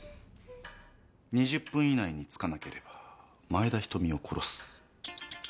２０分以内に着かなければ前田瞳を殺す。